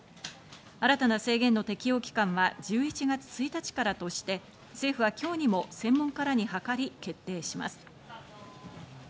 新たな制限の適用期間は１１月１日からとして、政府は今日にも専門家らに諮り決定します。